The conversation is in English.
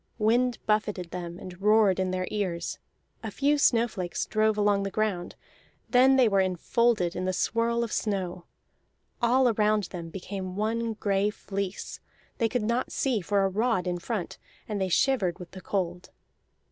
Wind buffeted them and roared in their ears; a few snowflakes drove along the ground; then they were enfolded in the swirl of snow. All around them became one gray fleece, they could not see for a rod in front, and they shivered with the cold.